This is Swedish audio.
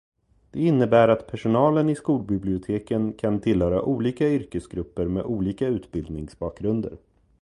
Det innebär att personalen i skolbiblioteken kan tillhöra olika yrkesgrupper med olika utbildningsbakgrunder.